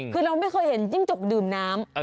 คือเราไม่เคยเห็นจิ้งจกดื่มน้ำ